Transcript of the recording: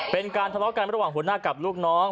เป็นการทะเลาะกันระหว่างหัวหน้ากับลูกน้อง